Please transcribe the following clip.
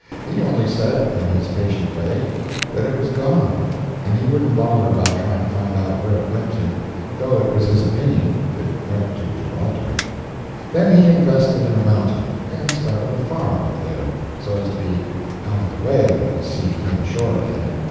He only said, in his patient way, that it was gone, and he wouldn't bother about trying to find out where it went to, though it was his opinion it went to Gibraltar. Then he invested in a mountain, and started a farm up there, so as to be out of the way when the sea came ashore again.